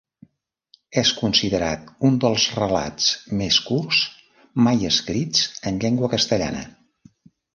És considerat un dels relats més curts mai escrits en llengua castellana.